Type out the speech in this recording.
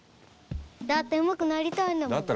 だってうまくなりたいんだもん。